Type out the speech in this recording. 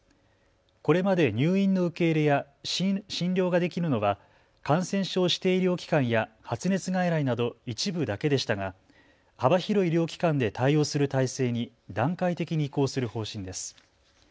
これまで入院の受け入れや診療ができるのは感染症指定医療機関や発熱外来など一部だけでしたが幅広い医療機関で対応する体制に段階的に移行する方針です。